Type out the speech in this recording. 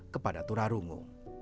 kepada tuna rungu